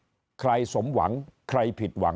สำคัญใครสมหวังใครผิดหวัง